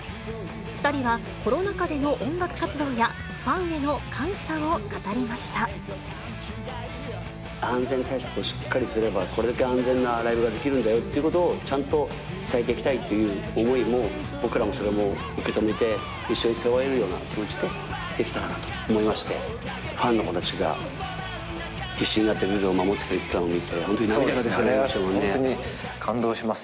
２人は、コロナ禍での音楽活動や、安全対策をしっかりすれば、これだけ安全なライブができるんだよということを、ちゃんと伝えていきたいっていう思いも僕らもそれも受け止めて、一緒に背負えるような気持ちでできたらなと思いまして、ファンの子たちが、必死になってルールを守ってくれてたのを見て、そうですね、本当に感動しま